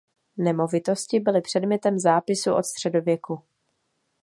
Nemovitosti byly předmětem zápisu od středověku.